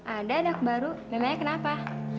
ada anak baru namanya kenapa